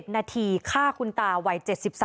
นาทีฆ่าคุณตาวัย๗๓